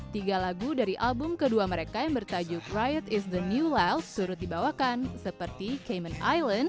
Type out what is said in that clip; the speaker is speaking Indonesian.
tiga lagu dari album kedua mereka yang bertajuk riot is the new loud turut dibawakan seperti cayman island